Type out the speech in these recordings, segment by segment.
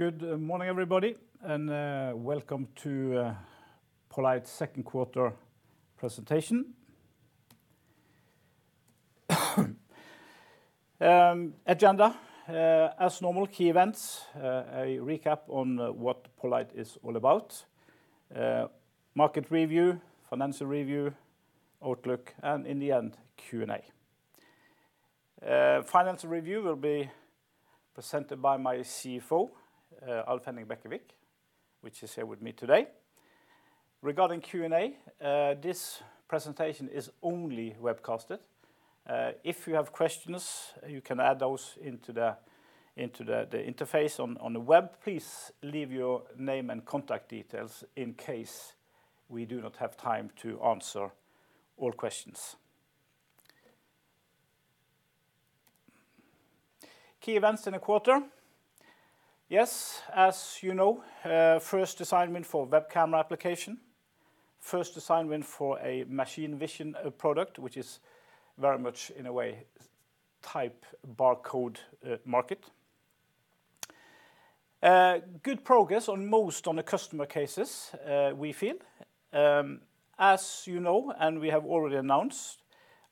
Good morning, everybody, and welcome to poLight second quarter presentation. Agenda. As normal, key events, a recap on what poLight is all about. Market review, financial review, outlook, and in the end, Q&A. Financial review will be presented by my CFO, Alf Henning Bekkevik, which is here with me today. Regarding Q&A, this presentation is only webcasted. If you have questions, you can add those into the interface on the web. Please leave your name and contact details in case we do not have time to answer all questions. Key events in a quarter. Yes, as you know, first assignment for web camera application. First assignment for a machine vision product, which is very much in a way, type barcode market. Good progress on most on the customer cases, we feel. As you know and we have already announced,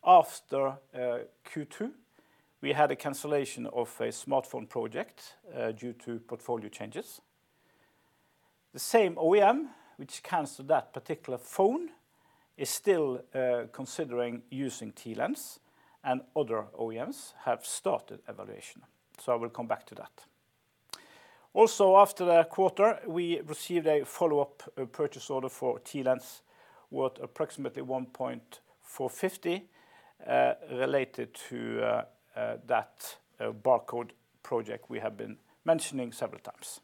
after Q2, we had a cancellation of a smartphone project due to portfolio changes. The same OEM, which canceled that particular phone, is still considering using TLens. Other OEMs have started evaluation. I will come back to that. Also, after the quarter, we received a follow-up purchase order for TLens worth approximately 1.450, related to that barcode project we have been mentioning several times.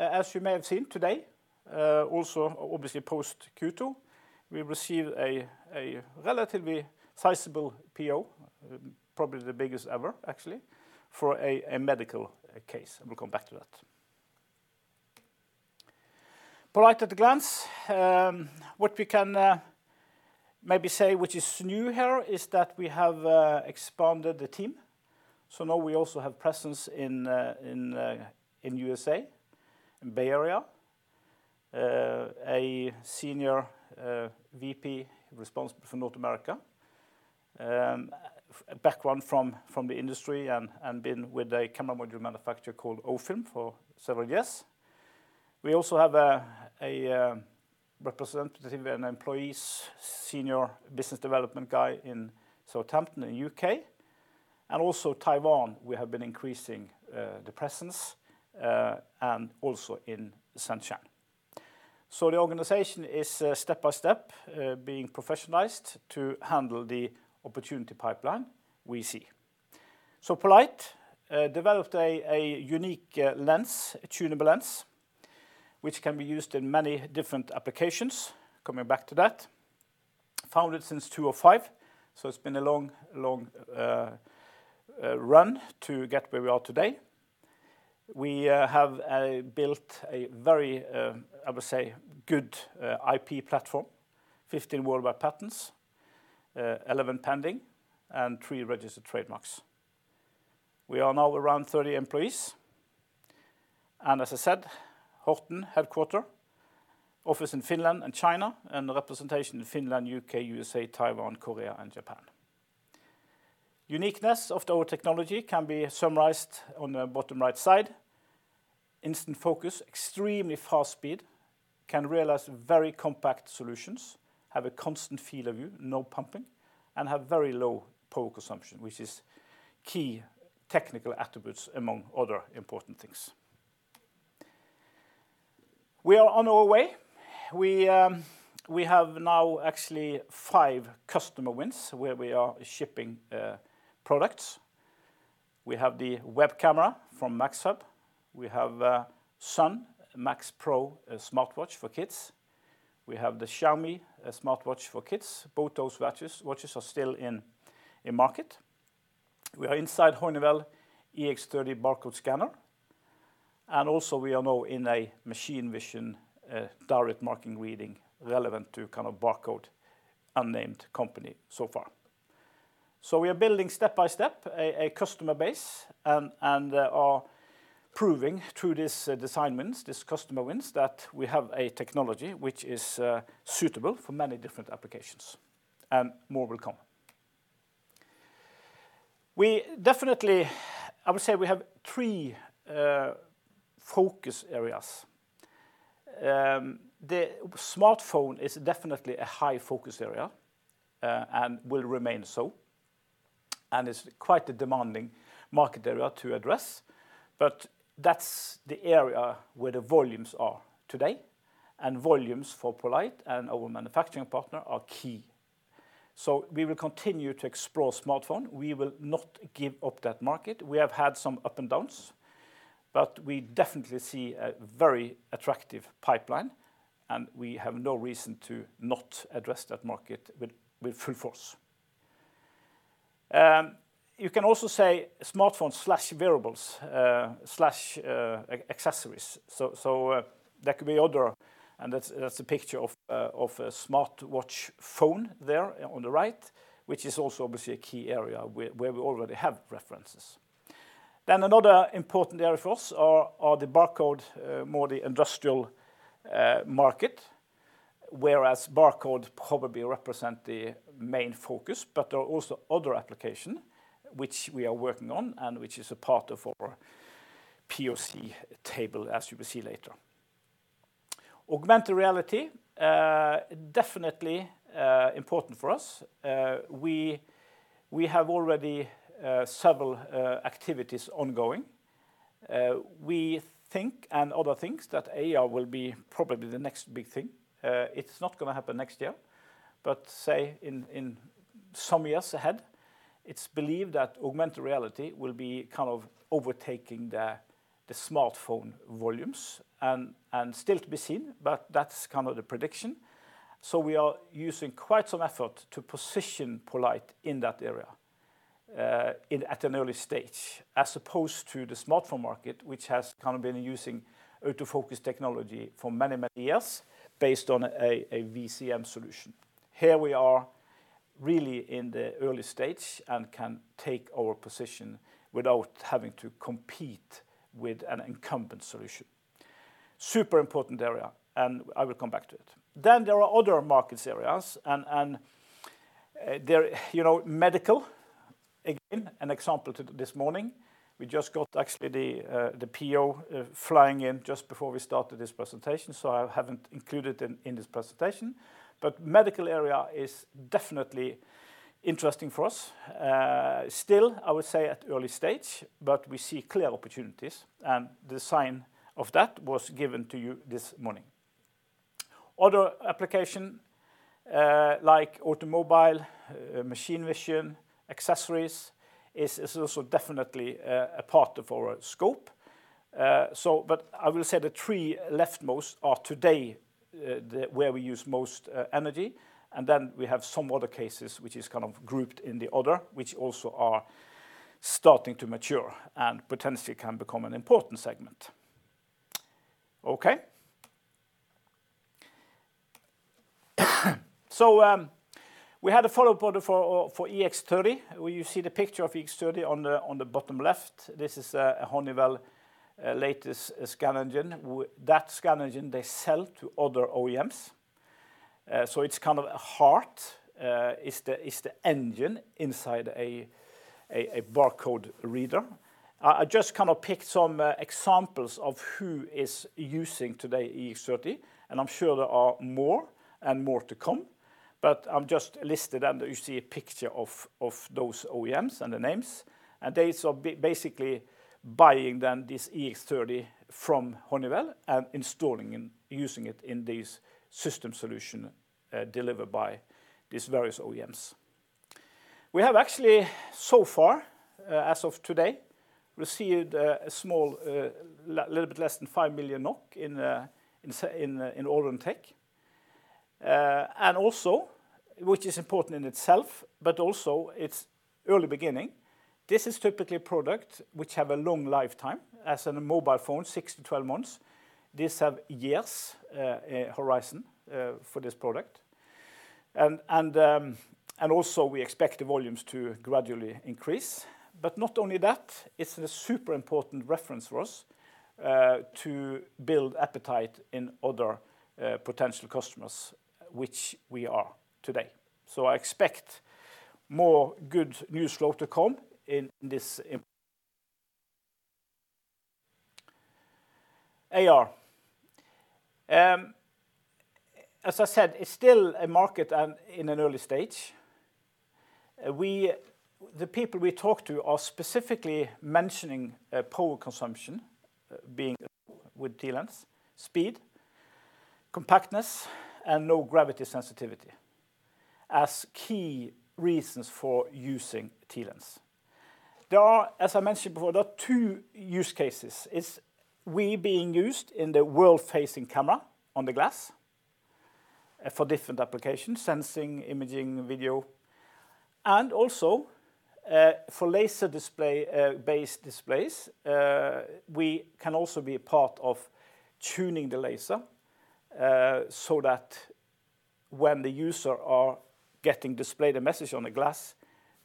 As you may have seen today, also obviously post Q2, we received a relatively sizable PO, probably the biggest ever actually, for a medical case. I will come back to that. poLight at a glance. What we can maybe say, which is new here, is that we have expanded the team. Now we also have presence in U.S.A., in Bay Area. A Senior VP responsible for North America. A background from the industry and been with a camera module manufacturer called Ofilm for several years. We also have a representative and employees, senior business development guy in Southampton in U.K., and also Taiwan, we have been increasing the presence, and also in Shenzhen. The organization is step by step being professionalized to handle the opportunity pipeline we see. poLight developed a unique lens, a tunable lens, which can be used in many different applications, coming back to that. Founded since 2005, it's been a long run to get where we are today. We have built a very, I would say, good IP platform, 15 worldwide patents, 11 pending, and three registered trademarks. We are now around 30 employees. As I said, Horten headquarter, office in Finland and China, and a representation in Finland, U.K., U.S.A., Taiwan, Korea, and Japan. Uniqueness of our technology can be summarized on the bottom right side. Instant focus, extremely fast speed, can realize very compact solutions, have a constant field of view, no pumping, and have very low power consumption, which is key technical attributes among other important things. We are on our way. We have now actually five customer wins where we are shipping products. We have the web camera from MAXHUB. We have XUN Max Pro smartwatch for kids. We have the Xiaomi smartwatch for kids. Both those watches are still in market. We are inside Honeywell EX30 barcode scanner. Also we are now in a machine vision direct marking reading relevant to barcode unnamed company so far. We are building step by step a customer base and are proving through these assignments, these customer wins, that we have a technology which is suitable for many different applications, and more will come. I would say we have three focus areas. The smartphone is definitely a high-focus area and will remain so, and it's quite a demanding market area to address. That's the area where the volumes are today, and volumes for poLight and our manufacturing partner are key. We will continue to explore smartphone. We will not give up that market. We have had some up and downs, but we definitely see a very attractive pipeline, and we have no reason to not address that market with full force. You can also say smartphone/wearables/accessories. There could be other, and that's a picture of a smartwatch phone there on the right, which is also obviously a key area where we already have references. Another important area for us are the barcode, more the industrial market. Barcode probably represent the main focus, but there are also other application which we are working on and which is a part of our POC table, as you will see later. Augmented reality, definitely important for us. We have already several activities ongoing. We think, and others think, that AR will be probably the next big thing. It's not going to happen next year, but say in some years ahead. It's believed that augmented reality will be kind of overtaking the smartphone volumes, and still to be seen, but that's kind of the prediction. We are using quite some effort to position poLight in that area, at an early stage, as opposed to the smartphone market, which has kind of been using auto-focus technology for many, many years based on a VCM solution. Here we are really in the early stage and can take our position without having to compete with an incumbent solution. Super important area, and I will come back to it. There are other markets areas, and medical, again, an example this morning. We just got actually the PO flying in just before we started this presentation, so I haven't included it in this presentation. Medical area is definitely interesting for us. Still, I would say at early stage, but we see clear opportunities, and the sign of that was given to you this morning. Other application, like automobile, machine vision, accessories, is also definitely a part of our scope. I will say the three leftmost are today where we use most energy, and then we have some other cases which is kind of grouped in the other, which also are starting to mature and potentially can become an important segment. Okay. We had a follow-up order for EX30, where you see the picture of EX30 on the bottom left. This is Honeywell latest scan engine. That scan engine, they sell to other OEMs. It's kind of a heart, it's the engine inside a barcode reader. I just kind of picked some examples of who is using today EX30, and I'm sure there are more, and more to come. I've just listed, and you see a picture of those OEMs and the names. They, so basically buying then this EX30 from Honeywell and installing and using it in these system solution delivered by these various OEMs. We have actually, so far, as of today, received a little bit less than 5 million NOK in orders to date. Also, which is important in itself, but also it's early beginning. This is typically a product which have a long lifetime. As in a mobile phone, 6-12 months. This have years horizon for this product. Also, we expect the volumes to gradually increase. Not only that, it's a super important reference for us, to build appetite in other potential customers, which we are today. I expect more good news flow to come in this area. As I said, it's still a market in an early stage. The people we talk to are specifically mentioning power consumption being with TLens, speed, compactness, and low gravity sensitivity as key reasons for using TLens. As I mentioned before, there are two use cases. It's we being used in the world-facing camera on the glass for different applications, sensing, imaging, video. Also, for laser-based displays, we can also be a part of tuning the laser, so that when the user are getting displayed a message on the glass,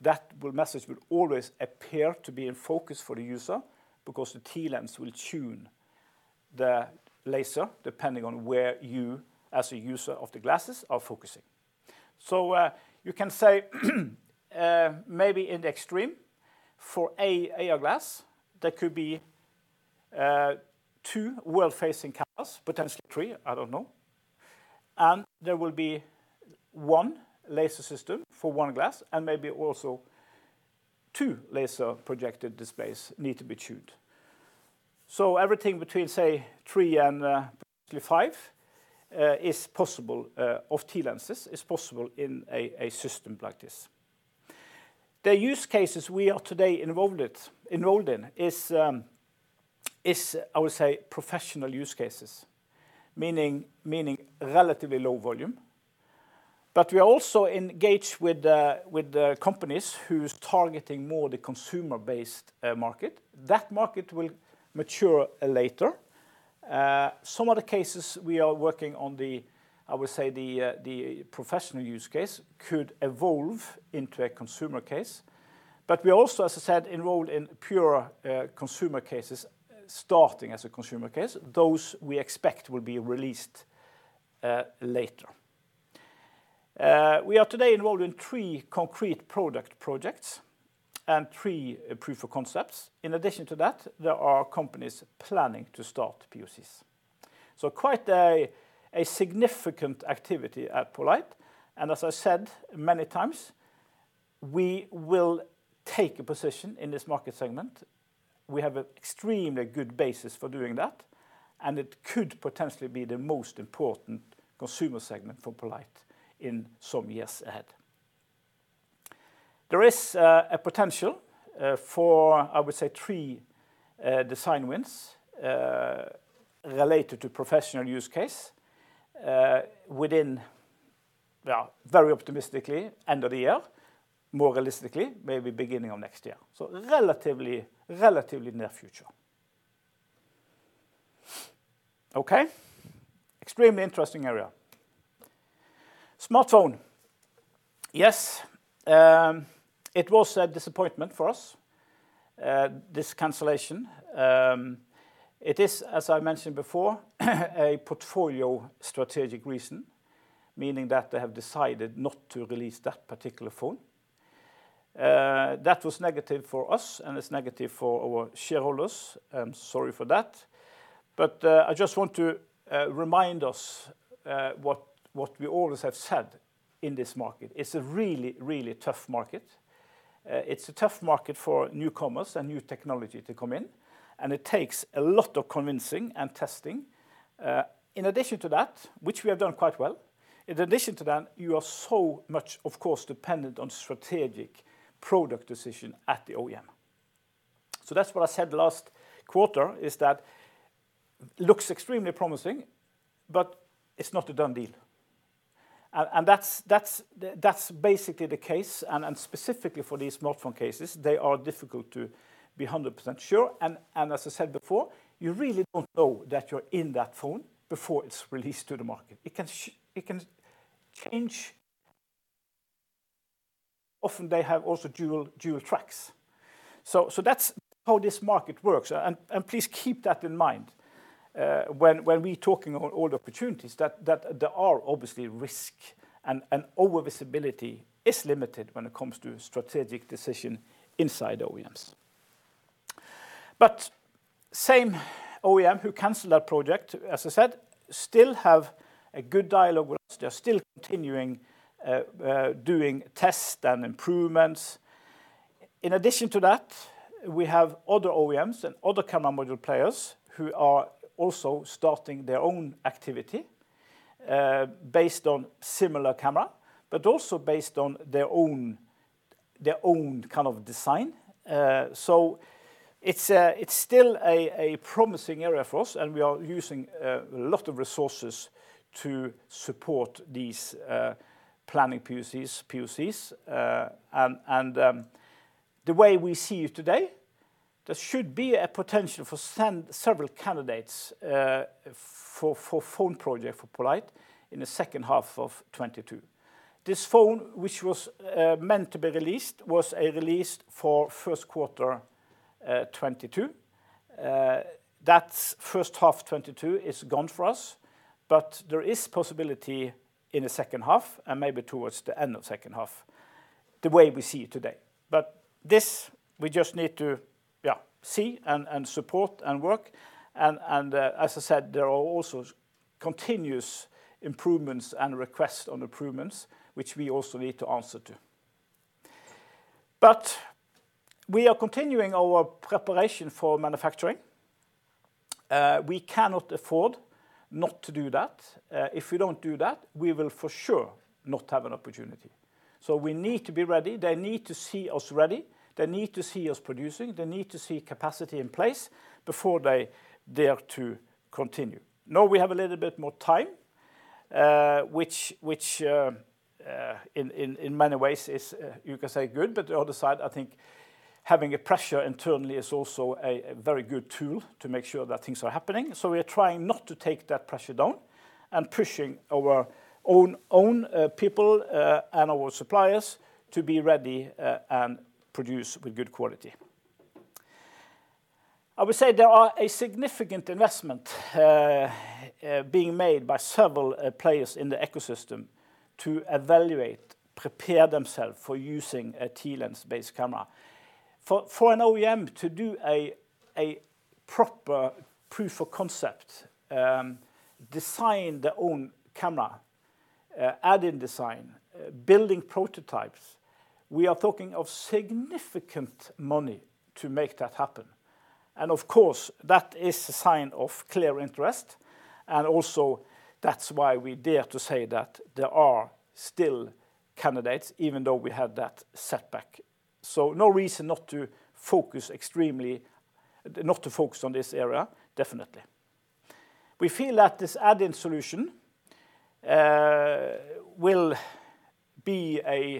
that message will always appear to be in focus for the user because the TLens will tune the laser depending on where you, as a user of the glasses, are focusing. You can say, maybe in the extreme, for a AR glass, there could be two world-facing cameras, potentially three, I don't know. There will be one laser system for one glass, and maybe also two laser projected displays need to be tuned. Everything between, say, three and potentially five of TLens is possible in a system like this. The use cases we are today involved in is, I would say, professional use cases, meaning relatively low volume. We also engage with companies who's targeting more the consumer-based market. That market will mature later. Some of the cases we are working on, I would say the professional use case could evolve into a consumer case, but we also, as I said, enrolled in pure consumer cases, starting as a consumer case. Those we expect will be released later. We are today involved in three concrete product projects and three proof of concepts. In addition to that, there are companies planning to start POCs. Quite a significant activity at poLight. As I said many times, we will take a position in this market segment. We have an extremely good basis for doing that, and it could potentially be the most important consumer segment for poLight in some years ahead. There is a potential for, I would say, three design wins related to professional use case, within, very optimistically, end of the year. More realistically, maybe beginning of next year. Relatively near future. Okay. Extremely interesting area. Smartphone. Yes, it was a disappointment for us, this cancellation. It is, as I mentioned before, a portfolio strategic reason, meaning that they have decided not to release that particular phone. That was negative for us, and it's negative for our shareholders. I'm sorry for that. I just want to remind us what we always have said in this market. It's a really, really tough market. It's a tough market for newcomers and new technology to come in, and it takes a lot of convincing and testing. In addition to that, which we have done quite well, you are so much, of course, dependent on strategic product decision at the OEM. That's what I said last quarter, is that it looks extremely promising, but it's not a done deal. That's basically the case, and specifically for these smartphone cases, they are difficult to be 100% sure. As I said before, you really don't know that you're in that phone before it's released to the market. It can change. Often they have also dual tracks. That's how this market works. Please keep that in mind when we're talking about all the opportunities, that there are obviously risk, and our visibility is limited when it comes to strategic decision inside OEMs. Same OEM who canceled that project, as I said, still have a good dialogue with us. They're still continuing doing tests and improvements. In addition to that, we have other OEMs and other camera module players who are also starting their own activity based on similar camera, but also based on their own kind of design. It's still a promising area for us, and we are using a lot of resources to support these planning POCs. The way we see it today, there should be a potential for several candidates for phone project for poLight in the second half of 2022. This phone, which was meant to be released, was a release for first quarter 2022. That first half 2022 is gone for us. There is possibility in the second half and maybe towards the end of second half, the way we see it today. This, we just need to see and support and work. As I said, there are also continuous improvements and requests on improvements, which we also need to answer to. We are continuing our preparation for manufacturing. We cannot afford not to do that. If we don't do that, we will for sure not have an opportunity. We need to be ready. They need to see us ready. They need to see us producing. They need to see capacity in place before they dare to continue. Now we have a little bit more time, which, in many ways is, you can say, good, but the other side, I think having a pressure internally is also a very good tool to make sure that things are happening. We are trying not to take that pressure down and pushing our own people and our suppliers to be ready and produce with good quality. I would say there are a significant investment being made by several players in the ecosystem to evaluate, prepare themselves for using a TLens-based camera. For an OEM to do a proper proof of concept, design their own camera, add-in design, building prototypes, we are talking of significant money to make that happen. Of course, that is a sign of clear interest. That's why we dare to say that there are still candidates, even though we had that setback. No reason not to focus on this area, definitely. We feel that this add-in solution will be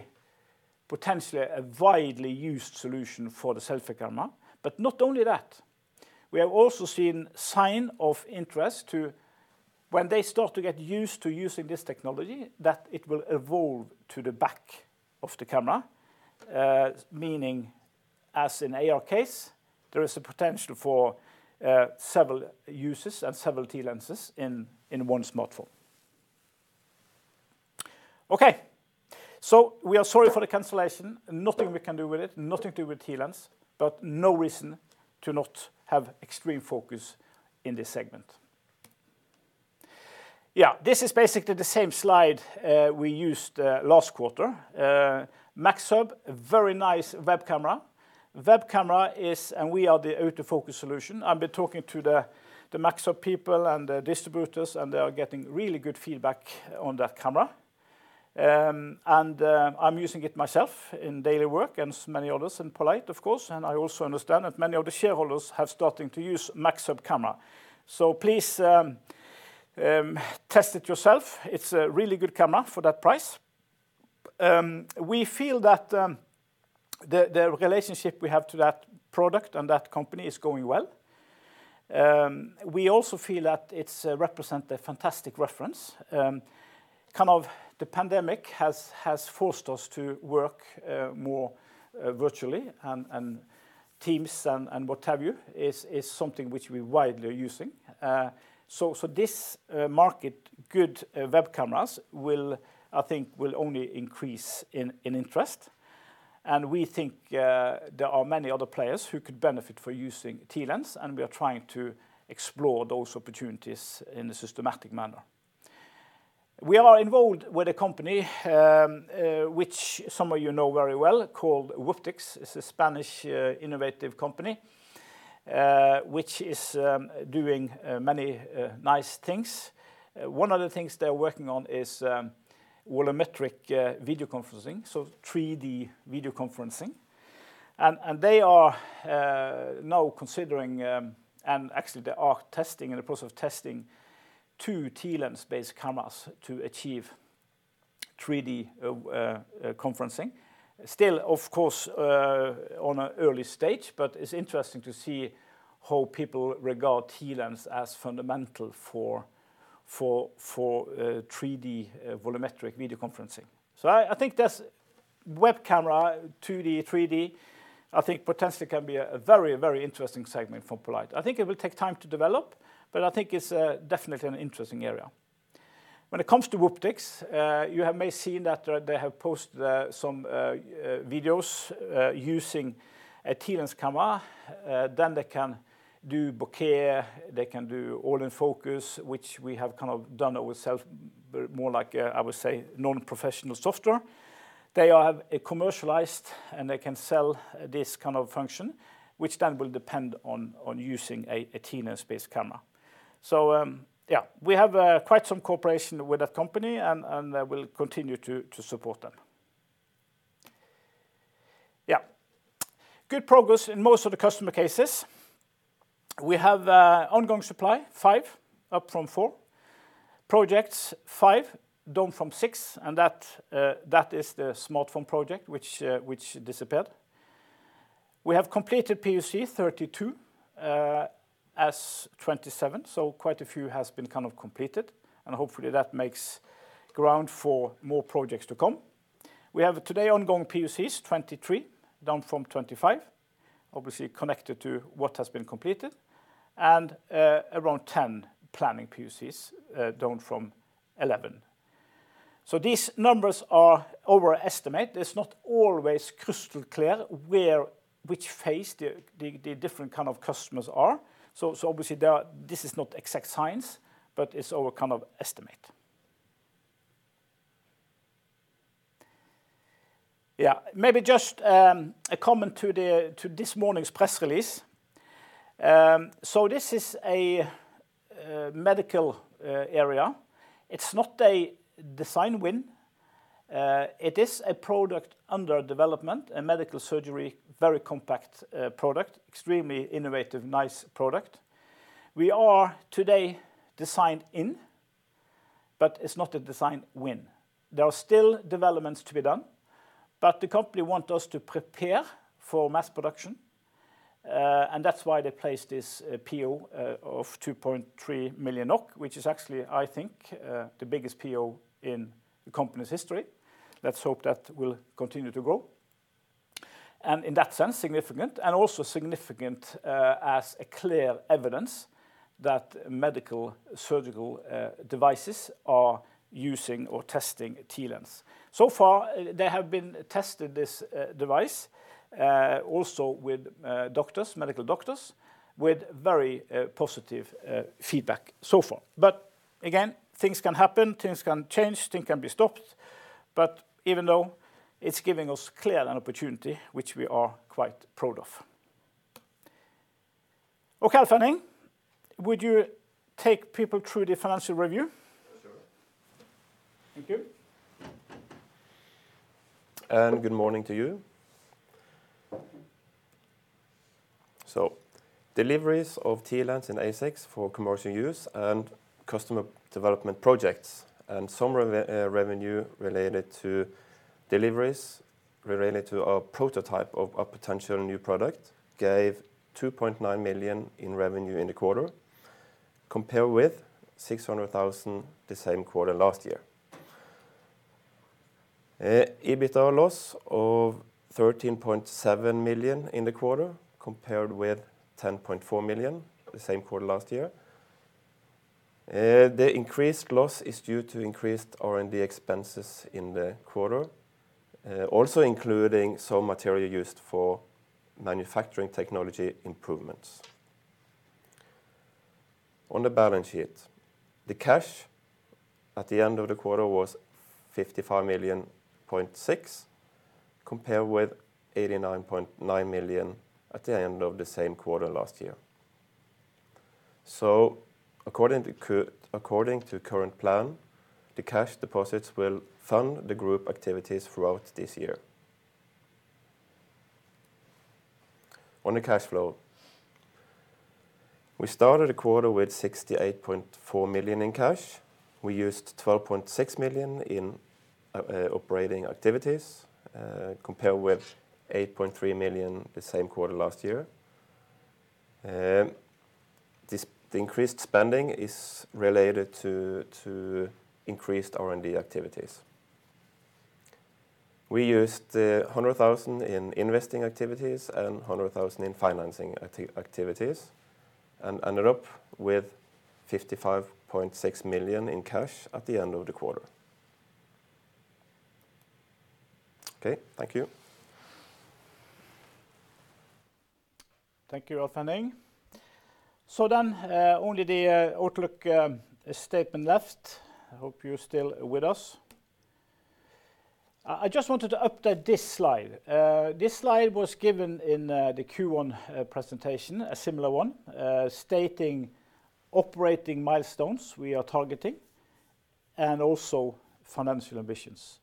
potentially a widely used solution for the selfie camera. Not only that, we have also seen sign of interest to when they start to get used to using this technology, that it will evolve to the back of the camera, meaning as in AR case, there is a potential for several uses and several TLenses in one smartphone. Okay. We are sorry for the cancellation. Nothing we can do with it, nothing to do with TLens, but no reason to not have extreme focus in this segment. This is basically the same slide we used last quarter. MAXHUB, very nice web camera. Web camera is, we are the autofocus solution. I've been talking to the MAXHUB people and the distributors, they are getting really good feedback on that camera. I'm using it myself in daily work and many others in poLight, of course, I also understand that many of the shareholders have starting to use MAXHUB camera. Please test it yourself. It's a really good camera for that price. We feel that the relationship we have to that product and that company is going well. We also feel that it's represent a fantastic reference. The pandemic has forced us to work more virtually, Teams and what have you, is something which we widely are using. This market, good web cameras will, I think, will only increase in interest. We think there are many other players who could benefit for using TLens, and we are trying to explore those opportunities in a systematic manner. We are involved with a company, which some of you know very well, called Wooptix. It's a Spanish innovative company, which is doing many nice things. One of the things they're working on is volumetric video conferencing, so 3D video conferencing. They are now considering, and actually they are in the process of testing two TLens-based cameras to achieve 3D conferencing. Still, of course, on an early stage, but it's interesting to see how people regard TLens as fundamental for 3D volumetric video conferencing. I think there's web camera, 2D, 3D, I think potentially can be a very interesting segment for poLight. I think it will take time to develop, but I think it's definitely an interesting area. When it comes to Wooptix, you have may seen that they have posted some videos using a TLens camera. They can do bokeh, they can do all-in focus, which we have done ourself, but more like, I would say, non-professional software. They have commercialized, and they can sell this kind of function, which then will depend on using a TLens-based camera. We have quite some cooperation with that company, and we'll continue to support them. Good progress in most of the customer cases. We have ongoing supply, five up from four. Projects, five down from six, and that is the smartphone project which disappeared. We have completed POC 32 as 27, so quite a few has been completed, and hopefully that makes ground for more projects to come. We have today ongoing POCs 23, down from 25, obviously connected to what has been completed, and around 10 planning POCs, down from 11. These numbers are over estimate. It's not always crystal clear which phase the different kind of customers are. Obviously this is not exact science, but it's our kind of estimate. Maybe just a comment to this morning's press release. This is a medical area. It's not a design win. It is a product under development, a medical surgery, very compact product, extremely innovative, nice product. We are today designed in, but it's not a design win. There are still developments to be done, but the company want us to prepare for mass production, and that's why they placed this PO of 2.3 million NOK, which is actually, I think, the biggest PO in the company's history. Let's hope that will continue to grow. In that sense, significant, and also significant as a clear evidence that medical surgical devices are using or testing TLens. So far, they have been tested this device, also with medical doctors, with very positive feedback so far. Again, things can happen, things can change, things can be stopped. Even though it's giving us clear an opportunity, which we are quite proud of. Okay, Alf Henning, would you take people through the financial review? Sure. Thank you. Good morning to you. Deliveries of TLens and ASICs for commercial use and customer development projects and some revenue related to deliveries, related to our prototype of a potential new product, gave 2.9 million in revenue in the quarter, compared with 600,000 the same quarter last year. EBITDA loss of 13.7 million in the quarter, compared with 10.4 million the same quarter last year. The increased loss is due to increased R&D expenses in the quarter, also including some material used for manufacturing technology improvements. On the balance sheet, the cash at the end of the quarter was 55.6 million, compared with 89.9 million at the end of the same quarter last year. According to current plan, the cash deposits will fund the group activities throughout this year. On the cash flow, we started the quarter with 68.4 million in cash. We used 12.6 million in operating activities, compared with 8.3 million the same quarter last year. The increased spending is related to increased R&D activities. We used 100,000 in investing activities and 100,000 in financing activities and ended up with 55.6 million in cash at the end of the quarter. Okay. Thank you. Thank you, Alf Henning. Only the outlook statement left. I hope you're still with us. I just wanted to update this slide. This slide was given in the Q1 presentation, a similar one, stating operating milestones we are targeting and also financial ambitions.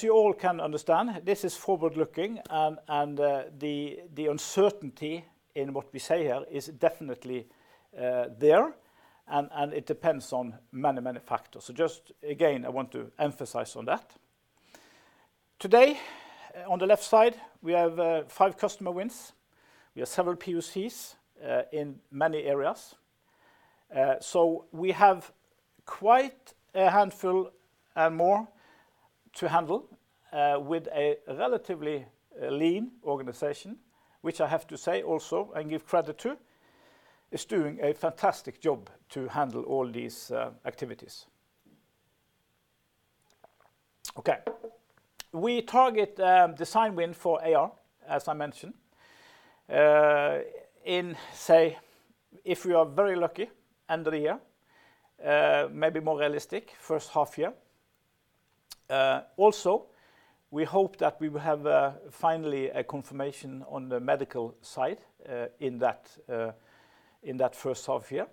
You all can understand, this is forward-looking, and the uncertainty in what we say here is definitely there, and it depends on many, many factors. Just again, I want to emphasize on that. Today, on the left side, we have 5five customer wins. We have several POCs in many areas. We have quite a handful and more to handle with a relatively lean organization, which I have to say also and give credit to, is doing a fantastic job to handle all these activities. Okay. We target design win for AR, as I mentioned, in say, if we are very lucky, end of the year, maybe more realistic, first half year. We hope that we will have finally a confirmation on the medical side in that first half year.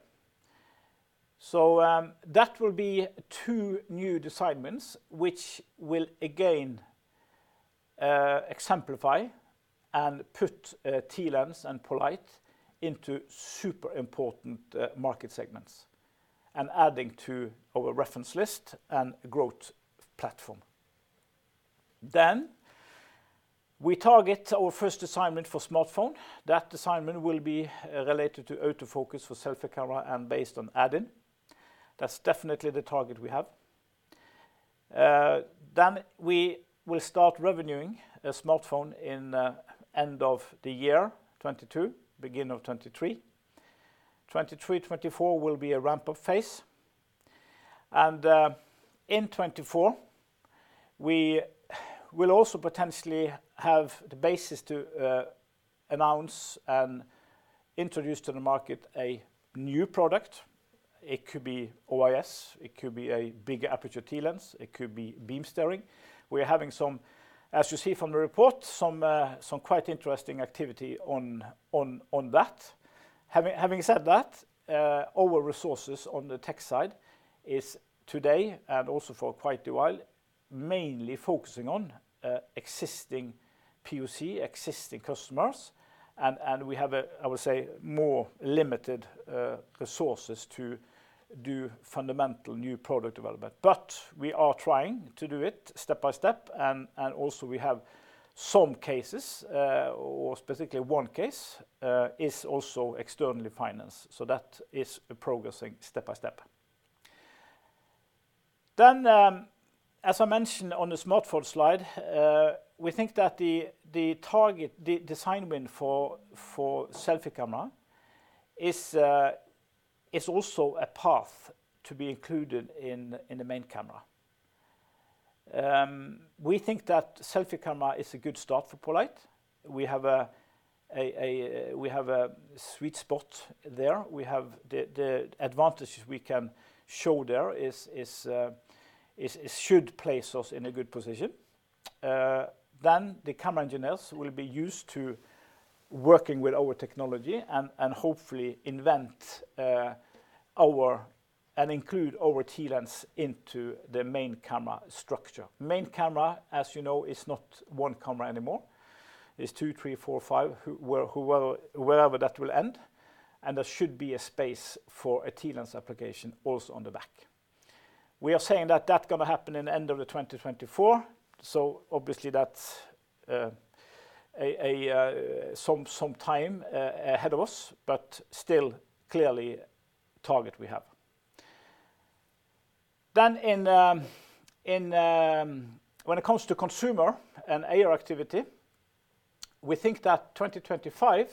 That will be two new design wins which will again exemplify and put TLens and poLight into super important market segments and adding to our reference list and growth platform. We target our first design win for smartphone. That design win will be related to autofocus for selfie camera and based on add-in. That's definitely the target we have. We will start revenuing a smartphone in end of the year 2022, beginning of 2023. 2023, 2024 will be a ramp-up phase. In 2024, we will also potentially have the basis to announce and introduce to the market a new product. It could be OIS, it could be a bigger aperture TLens, it could be beam steering. We're having some, as you see from the report, some quite interesting activity on that. Having said that, our resources on the tech side is today, and also for quite a while, mainly focusing on existing POC, existing customers, and we have, I would say, more limited resources to do fundamental new product development. We are trying to do it step by step, and also we have some cases, or specifically one case, is also externally financed. That is progressing step by step. As I mentioned on the smartphone slide, we think that the design win for selfie camera is also a path to be included in the main camera. We think that selfie camera is a good start for poLight. We have a sweet spot there. The advantage we can show there should place us in a good position. The camera engineers will be used to working with our technology, and hopefully invent and include our TLens into the main camera structure. Main camera, as you know, is not one camera anymore. It's two, three, four, five, wherever that will end, and there should be a space for a TLens application also on the back. We are saying that that's going to happen in the end of 2024, obviously that's some time ahead of us, still, clearly, target we have. When it comes to consumer and AR activity, we think that 2025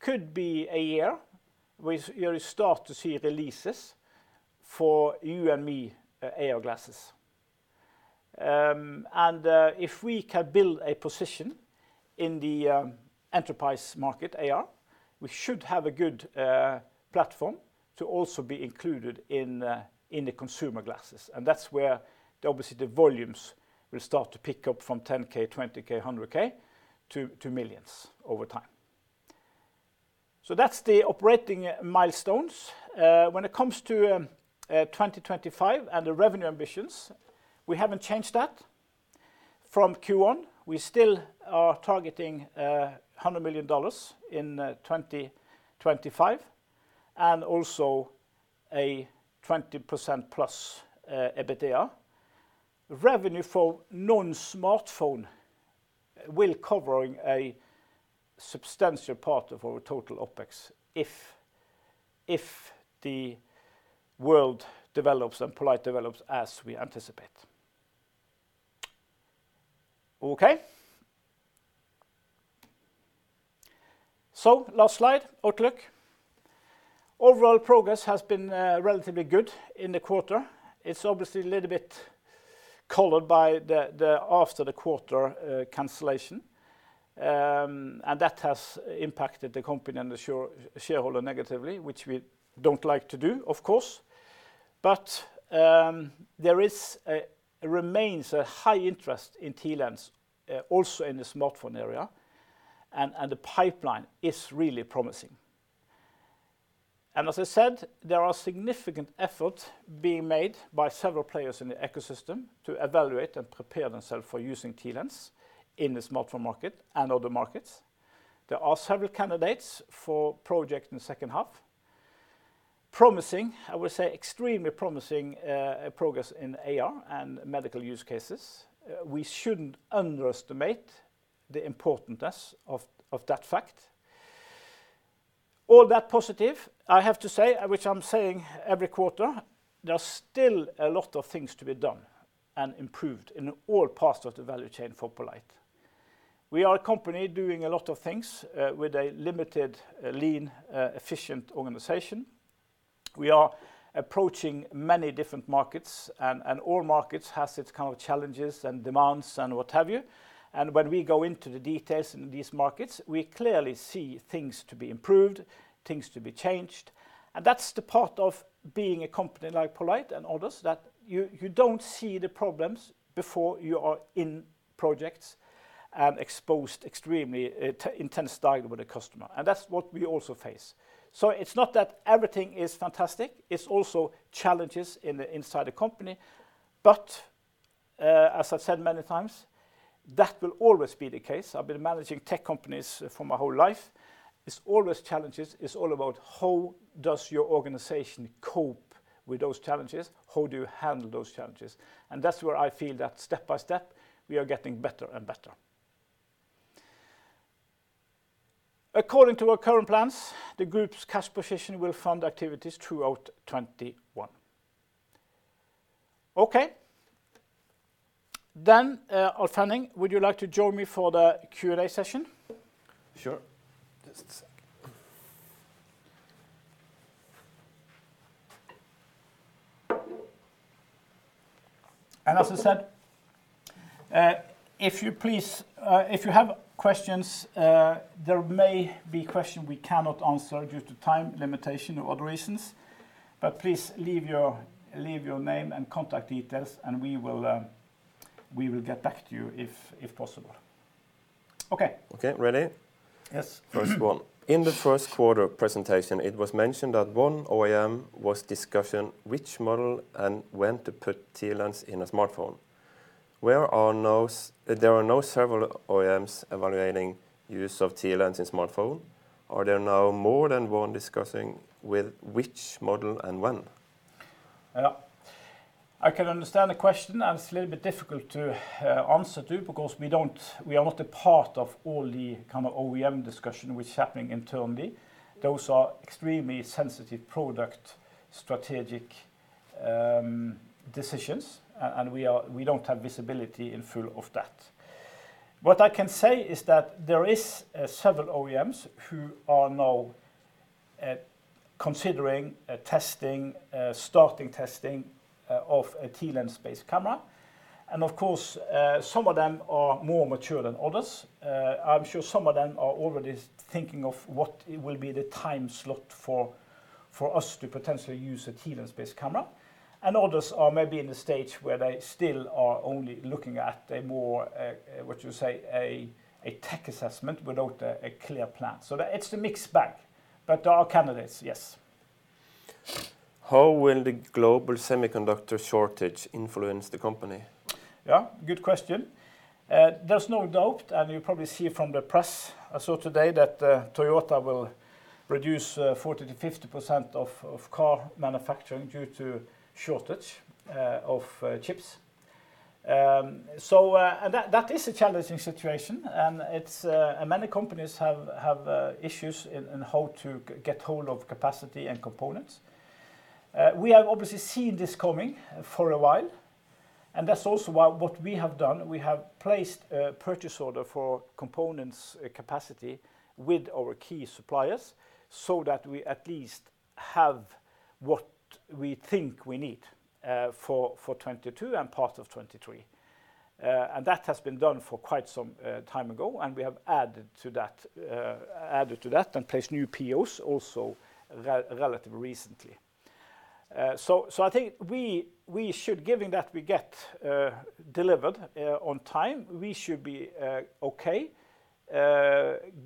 could be a year where you start to see releases for you and me AR glasses. If we can build a position in the enterprise market AR, we should have a good platform to also be included in the consumer glasses, and that's where obviously the volumes will start to pick up from 10,000, 20,000, 100,000, to millions over time. That's the operating milestones. When it comes to 2025 and the revenue ambitions, we haven't changed that from Q1. We still are targeting $100 million in 2025, and also a 20%+ EBITDA. Revenue for non-smartphone will cover a substantial part of our total OPEX if the world develops and poLight develops as we anticipate. Okay. Last slide, outlook. Overall progress has been relatively good in the quarter. It's obviously a little bit colored by the after-the-quarter cancellation, and that has impacted the company and the shareholder negatively, which we don't like to do, of course. There remains a high interest in TLens, also in the smartphone area, and the pipeline is really promising. As I said, there are significant efforts being made by several players in the ecosystem to evaluate and prepare themselves for using TLens in the smartphone market and other markets. There are several candidates for project in the second half. Promising, I would say extremely promising progress in AR and medical use cases. We shouldn't underestimate the importance of that fact. All that positive, I have to say, which I'm saying every quarter, there's still a lot of things to be done and improved in all parts of the value chain for poLight. We are a company doing a lot of things with a limited, lean, efficient organization. We are approaching many different markets, and all markets has its kind of challenges and demands and what have you. When we go into the details in these markets, we clearly see things to be improved, things to be changed. That's the part of being a company like poLight and others, that you don't see the problems before you are in projects and exposed extremely intense dialogue with the customer. That's what we also face. It's not that everything is fantastic. It's also challenges inside the company. As I've said many times, that will always be the case. I've been managing tech companies for my whole life. It's always challenges. It's all about how does your organization cope with those challenges? How do you handle those challenges? That's where I feel that step by step, we are getting better and better. According to our current plans, the group's cash position will fund activities throughout 2021. Okay. Alf Henning, would you like to join me for the Q&A session? Sure. Just a sec. As I said, if you have questions, there may be questions we cannot answer due to time limitation or other reasons, please leave your name and contact details, we will get back to you if possible. Okay. Okay. Ready? Yes. First one. In the first quarter presentation, it was mentioned that one OEM was discussing which model and when to put TLens in a smartphone. There are now several OEMs evaluating use of TLens in smartphone. Are there now more than one discussing with which model and when? Yeah. I can understand the question, and it's a little bit difficult to answer too, because we are not a part of all the kind of OEM discussion, which is happening internally. Those are extremely sensitive product strategic decisions, and we don't have visibility in full of that. What I can say is that there is several OEMs who are now considering testing, starting testing, of a TLens-based camera. Of course, some of them are more mature than others. I'm sure some of them are already thinking of what will be the time slot for us to potentially use a TLens-based camera. Others are maybe in the stage where they still are only looking at a tech assessment without a clear plan. It's a mixed bag, but there are candidates, yes. How will the global semiconductor shortage influence the company? Good question. There's no doubt, and you probably see from the press, I saw today that Toyota will reduce 40%-50% of car manufacturing due to shortage of chips. That is a challenging situation, and many companies have issues in how to get hold of capacity and components. We have obviously seen this coming for a while, and that's also what we have done. We have placed a purchase order for components capacity with our key suppliers so that we at least have what we think we need for 2022 and part of 2023. That has been done for quite some time ago, and we have added to that and placed new POs also relatively recently. I think given that we get delivered on time, we should be okay,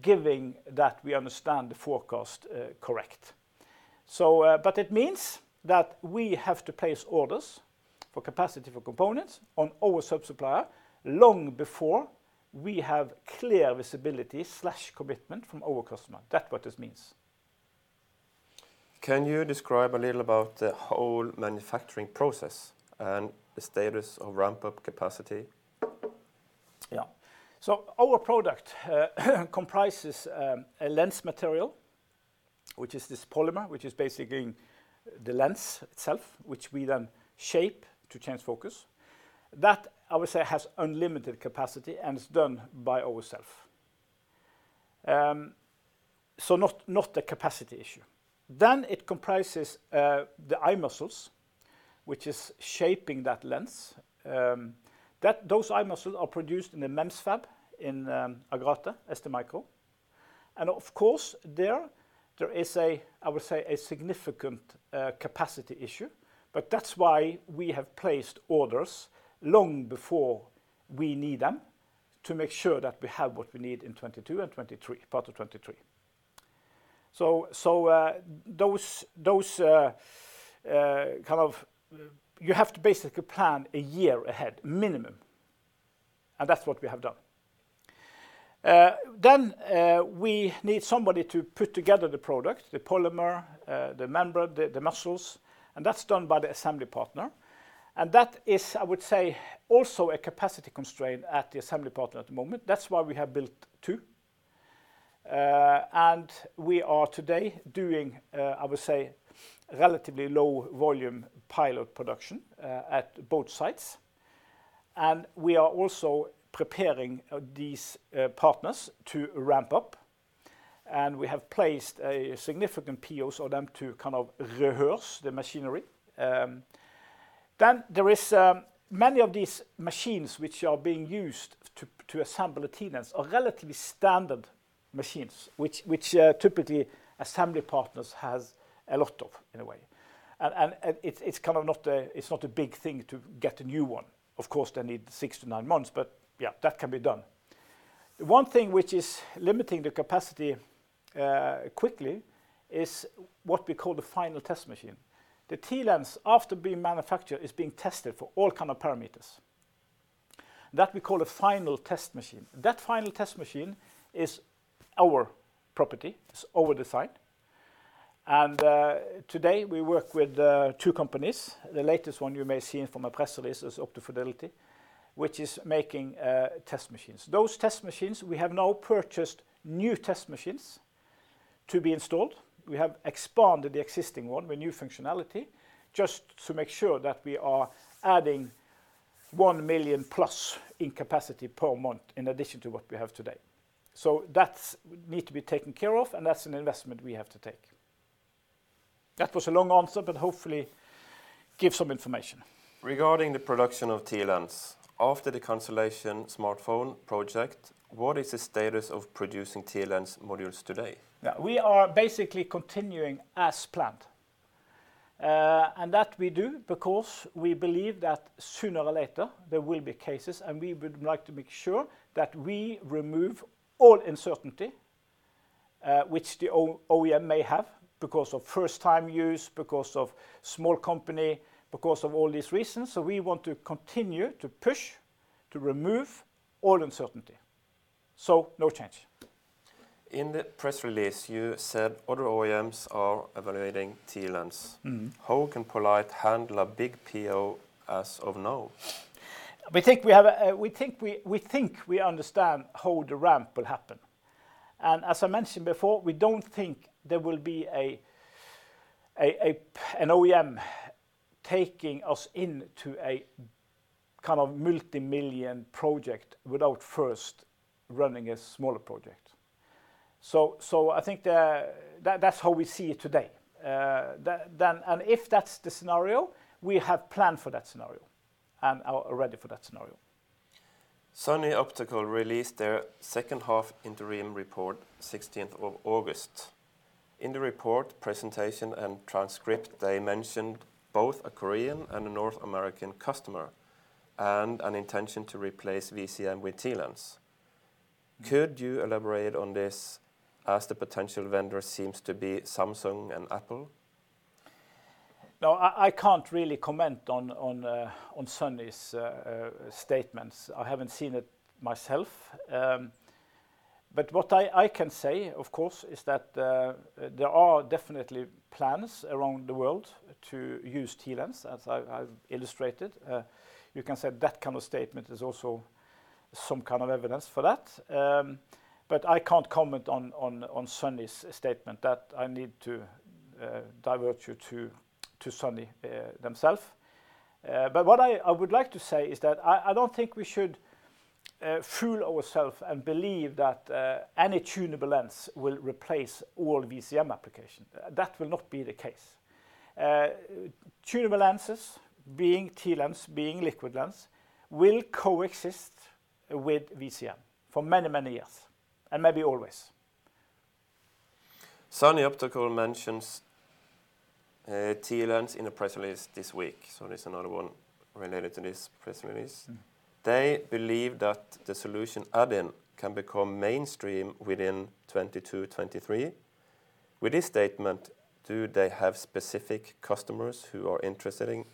given that we understand the forecast correctly. It means that we have to place orders for capacity for components on our sub-supplier long before we have clear visibility/commitment from our customer. That's what this means. Can you describe a little about the whole manufacturing process and the status of ramp-up capacity? Yeah. Our product comprises a lens material, which is this polymer, which is basically the lens itself, which we then shape to change focus. That, I would say, has unlimited capacity and is done by ourself. Not a capacity issue. It comprises the eye muscles, which is shaping that lens. Those eye muscles are produced in a MEMS fab in Agrate, STMicroelectronics. Of course, there is, I would say, a significant capacity issue, but that's why we have placed orders long before we need them to make sure that we have what we need in 2022 and 2023, part of 2023. You have to basically plan a year ahead minimum, and that's what we have done. We need somebody to put together the product, the polymer, the membrane, the muscles, and that's done by the assembly partner. That is, I would say, also a capacity constraint at the assembly partner at the moment. That's why we have built two. We are today doing, I would say, relatively low volume pilot production at both sites. We are also preparing these partners to ramp up, and we have placed significant POs for them to rehearse the machinery. There is many of these machines which are being used to assemble a TLens are relatively standard machines, which typically assembly partners has a lot of, in a way. It's not a big thing to get a new one. Of course, they need six to nine months, but that can be done. One thing which is limiting the capacity quickly is what we call the final test machine. The TLens, after being manufactured, is being tested for all kind of parameters. That we call a final test machine. That final test machine is our property. It's our design. Today we work with two companies. The latest one you may seen from a press release is OptoFidelity, which is making test machines. Those test machines, we have now purchased new test machines to be installed. We have expanded the existing one with new functionality just to make sure that we are adding one million-plus in capacity per month in addition to what we have today. That needs to be taken care of, and that's an investment we have to take. That was a long answer, but hopefully gives some information. Regarding the production of TLens, after the cancellation smartphone project, what is the status of producing TLens modules today? We are basically continuing as planned. That we do because we believe that sooner or later there will be cases, and we would like to make sure that we remove all uncertainty, which the OEM may have because of first time use, because of small company, because of all these reasons. We want to continue to push to remove all uncertainty. No change. In the press release, you said other OEMs are evaluating TLens. How can poLight handle a big PO as of now? We think we understand how the ramp will happen. As I mentioned before, we don't think there will be an OEM taking us into a kind of multimillion project without first running a smaller project. I think that's how we see it today. If that's the scenario, we have planned for that scenario and are ready for that scenario. Sunny Optical released their second half interim report 16th of August. In the report presentation and transcript, they mentioned both a Korean and a North American customer, and an intention to replace VCM with TLens. Could you elaborate on this as the potential vendor seems to be Samsung and Apple? I can't really comment on Sunny's statements. I haven't seen it myself. What I can say, of course, is that there are definitely plans around the world to use TLens as I've illustrated. You can say that kind of statement is also some kind of evidence for that. I can't comment on Sunny's statement, that I need to divert you to Sunny themself. What I would like to say is that I don't think we should fool ourself and believe that any tunable lens will replace all VCM application. That will not be the case. Tunable lenses being TLens, being liquid lens, will coexist with VCM for many years, and maybe always. Sunny Optical mentions TLens in a press release this week. There's another one related to this press release. They believe that the solution add-in can become mainstream within 2022, 2023. With this statement, do they have specific customers who are interested in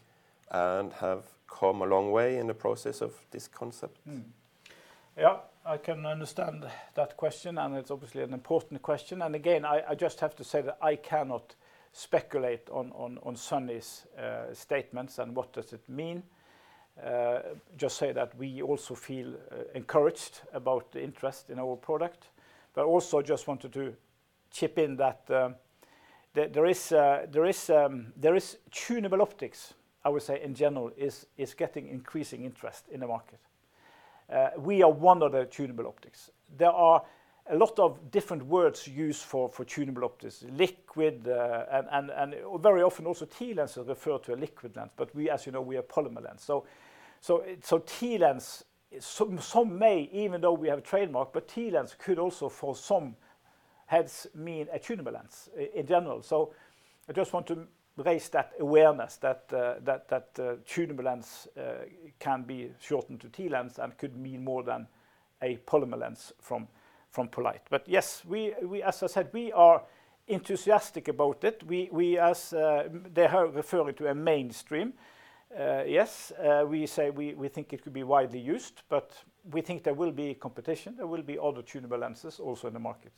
and have come a long way in the process of this concept? Yeah, I can understand that question. It's obviously an important question. Again, I just have to say that I cannot speculate on Sunny's statements and what does it mean. Just say that we also feel encouraged about the interest in our product. Also just wanted to chip in that there is tunable optics, I would say, in general, is getting increasing interest in the market. We are one of the tunable optics. There are a lot of different words used for tunable optics, liquid, and very often also TLens are referred to a liquid lens. We, as you know, we are polymer lens. TLens, some may, even though we have trademark, but TLens could also, for some heads, mean a tunable lens in general. I just want to raise that awareness that tunable lens can be shortened to TLens and could mean more than a polymer lens from poLight. Yes, as I said, we are enthusiastic about it. They are referring to a mainstream. Yes, we say we think it could be widely used, but we think there will be competition. There will be other tunable lenses also in the market.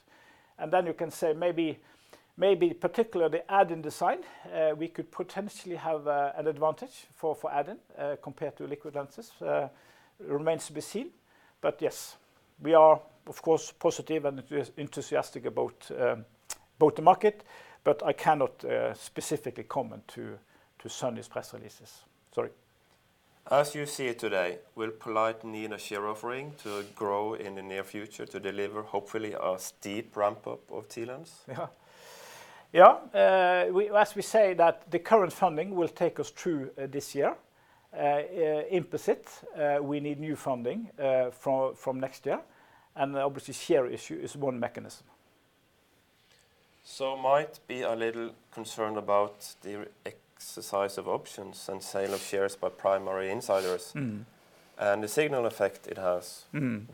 You can say maybe particularly add-in design, we could potentially have an advantage for add-in, compared to liquid lenses. Remains to be seen. Yes. We are, of course, positive and enthusiastic about the market, but I cannot specifically comment to Sunny's press releases. Sorry. As you see it today, will poLight need a share offering to grow in the near future to deliver, hopefully, a steep ramp-up of TLens? Yeah. As we say that the current funding will take us through this year. In practice, we need new funding from next year. Obviously, share issue is one mechanism. Might be a little concerned about the exercise of options and sale of shares by primary insiders. The signal effect it has.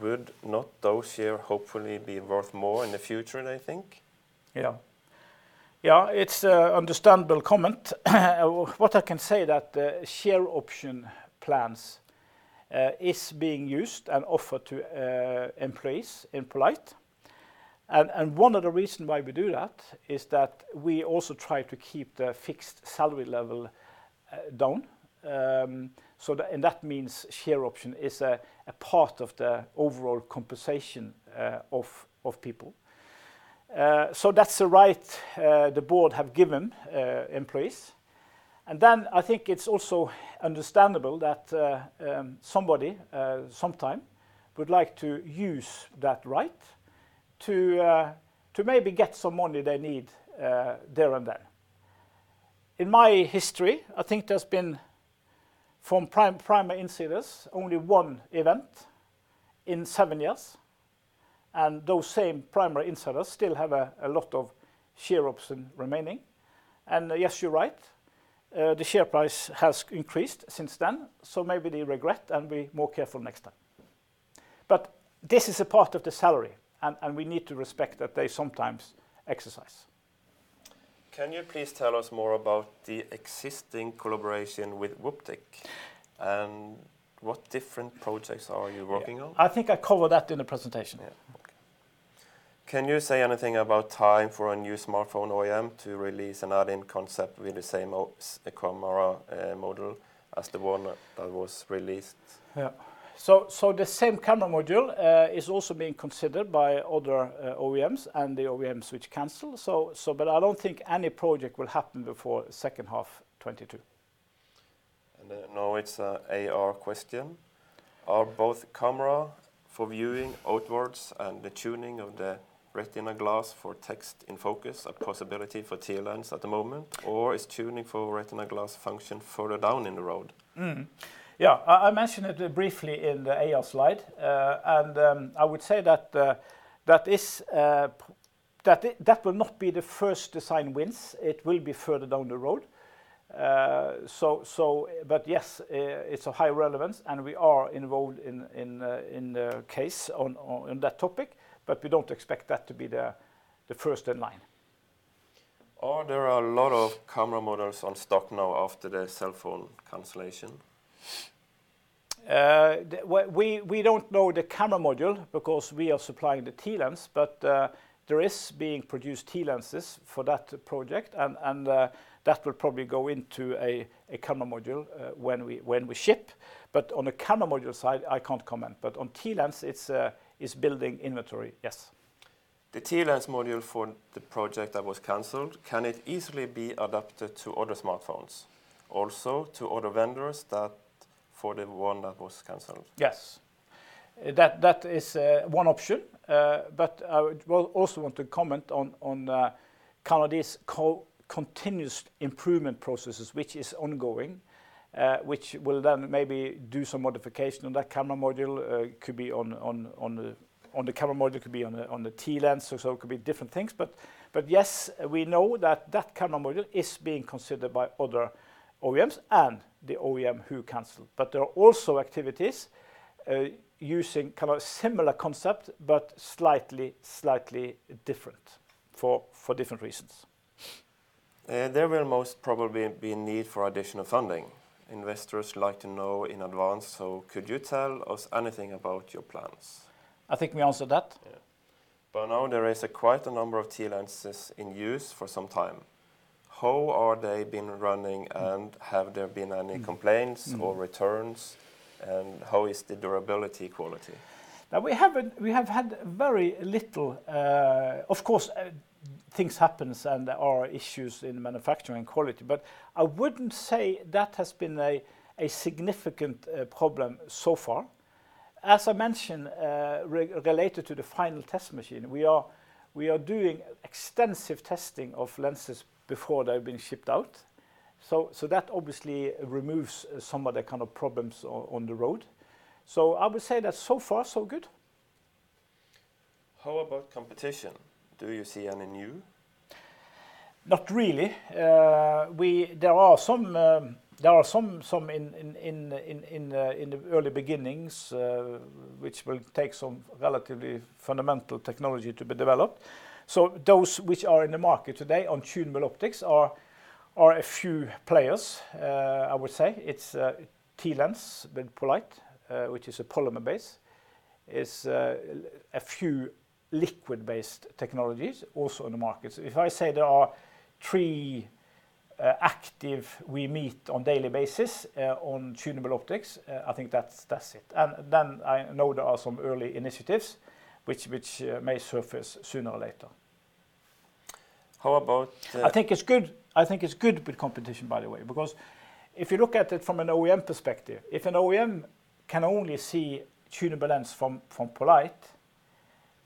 Would not those share, hopefully, be worth more in the future, they think? Yeah. It's an understandable comment. What I can say that share option plans is being used and offered to employees in poLight. One of the reasons why we do that is that we also try to keep the fixed salary level down. That means share option is a part of the overall compensation of people. That's the right the board has given employees. I think it's also understandable that somebody, sometimes would like to use that right to maybe get some money they need there and then. In my history, I think there's been from primary insiders, only one event in seven years. Those same primary insiders still have a lot of share option remaining. Yes, you're right. The share price has increased since then, so maybe they regret and be more careful next time. This is a part of the salary, and we need to respect that they sometimes exercise. Can you please tell us more about the existing collaboration with Wooptix? What different projects are you working on? I think I covered that in the presentation. Yeah. Okay. Can you say anything about time for a new smartphone OEM to release an add-in concept with the same ops camera module as the one that was released? The same camera module is also being considered by other OEMs and the OEMs which cancel. I don't think any project will happen before second half 2022. Now it's a AR question. Are both camera for viewing outwards and the tuning of the retina glass for text in focus a possibility for TLens at the moment, or is tuning for retina glass function further down the road? Yeah. I mentioned it briefly in the AR slide, and I would say that will not be the first design wins. It will be further down the road. Yes, it's a high relevance, and we are involved in the case on that topic, but we don't expect that to be the first in line. Are there a lot of camera models on stock now after the cell phone cancellation? We don't know the camera module because we are supplying the TLens, but there is being produced TLenses for that project, and that will probably go into a camera module when we ship. On a camera module side, I can't comment. On TLens, it's building inventory. Yes. The TLens module for the project that was canceled, can it easily be adapted to other smartphones, also to other vendors that for the one that was canceled? Yes. That is one option. I would also want to comment on kind of this continuous improvement processes, which is ongoing, which will then maybe do some modification on that camera module. Could be on the camera module, could be on the TLens, so it could be different things, but yes, we know that that camera module is being considered by other OEMs and the OEM who canceled. There are also activities using kind of similar concept but slightly different for different reasons. There will most probably be need for additional funding. Investors like to know in advance, could you tell us anything about your plans? I think we answered that. Yeah. By now there is quite a number of TLenses in use for some time. How are they been running, and have there been any complaints or returns, and how is the durability quality? We have had very little, Of course, things happens, and there are issues in manufacturing quality, but I wouldn't say that has been a significant problem so far. As I mentioned, related to the final test machine, we are doing extensive testing of lenses before they've been shipped out. That obviously removes some of the kind of problems on the road. I would say that so far so good. How about competition? Do you see any new? Not really. There are some in the early beginnings, which will take some relatively fundamental technology to be developed. Those which are in the market today on tunable optics are a few players, I would say. It's TLens, being poLight, which is a polymer base. Is a few liquid-based technologies also in the market. If I say there are three active we meet on daily basis on tunable optics, I think that's it. I know there are some early initiatives which may surface sooner or later. How about the- I think it's good with competition, by the way, because if you look at it from an OEM perspective, if an OEM can only see tunable lens from poLight,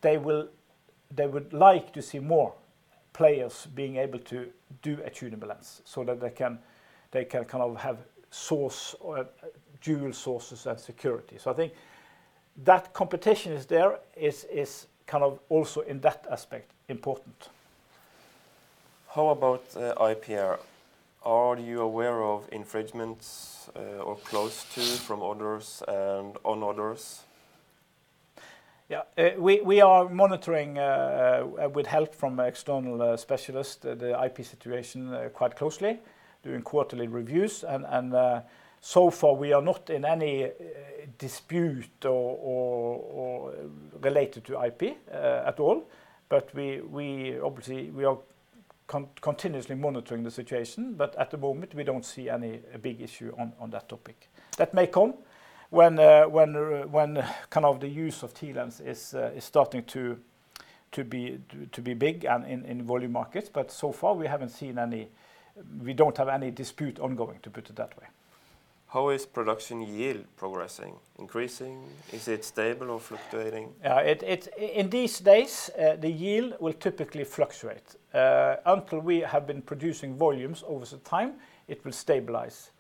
they would like to see more players being able to do a tunable lens so that they can kind of have dual sources and security. I think that competition is there is kind of also in that aspect important. How about IPR? Are you aware of infringements, or close to from orders and on orders? Yeah. We are monitoring with help from external specialists, the IP situation quite closely, doing quarterly reviews. So far we are not in any dispute or related to IP at all. We obviously are continuously monitoring the situation, but at the moment we don't see any big issue on that topic. That may come when kind of the use of TLens is starting to be big and in volume markets. So far we don't have any dispute ongoing, to put it that way. How is production yield progressing? Increasing? Is it stable or fluctuating? In these days, the yield will typically fluctuate. Until we have been producing volumes over some time, it will stabilize.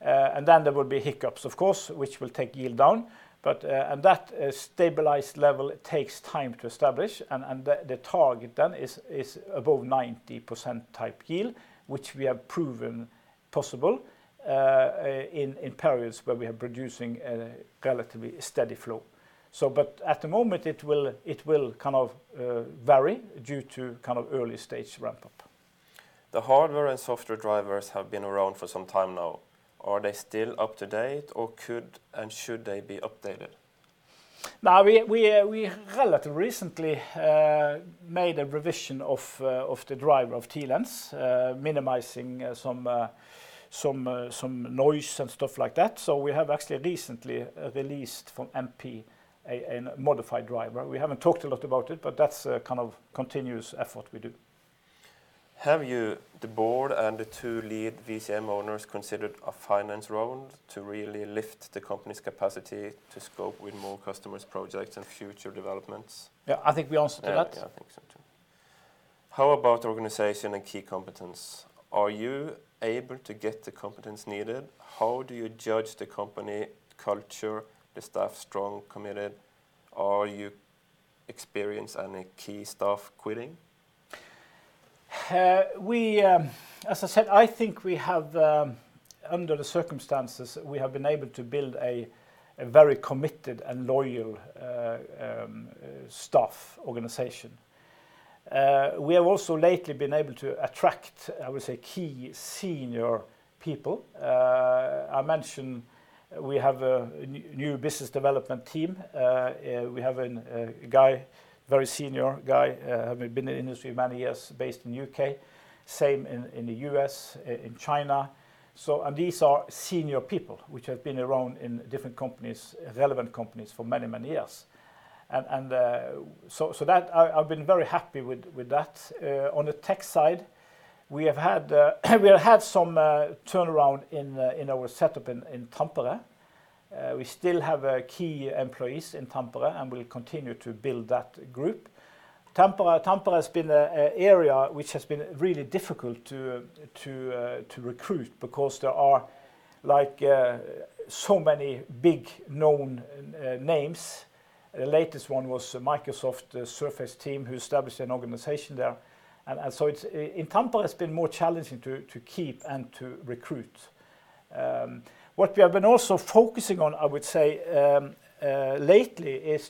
Then there will be hiccups of course, which will take yield down. That stabilized level takes time to establish, and the target then is above 90% type yield, which we have proven possible in periods where we are producing a relatively steady flow. At the moment, it will kind of vary due to kind of early-stage ramp-up. The hardware and software drivers have been around for some time now. Are they still up to date, or could and should they be updated? We relatively recently made a revision of the driver of TLens, minimizing some noise and stuff like that. We have actually recently released from MP a modified driver. We haven't talked a lot about it, but that's a kind of continuous effort we do. Have you, the board and the two lead VCM owners, considered a finance round to really lift the company's capacity to scope with more customers, projects, and future developments? Yeah, I think we answered that. Yeah, I think so too. How about organization and key competence? Are you able to get the competence needed? How do you judge the company culture, the staff, strong, committed? Are you experiencing any key staff quitting? As I said, I think under the circumstances, we have been able to build a very committed and loyal staff organization. We have also lately been able to attract, I would say, key senior people. I mentioned we have a new business development team. We have a very senior guy, have been in the industry many years based in U.K., same in the U.S., in China. These are senior people, which have been around in different relevant companies for many years. I've been very happy with that. On the tech side, we have had some turnaround in our setup in Tampere. We still have key employees in Tampere, and we'll continue to build that group. Tampere has been an area which has been really difficult to recruit because there are so many big known names. The latest one was Microsoft Surface team who established an organization there. In Tampere it has been more challenging to keep and to recruit. What we have been also focusing on, I would say, lately,